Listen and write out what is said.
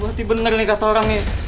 berarti bener ini kata orang nih